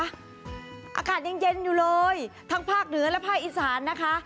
อากาศยังเย็นอยู่เลยทั้งภาคเหนือและภาคอีสานนะคะ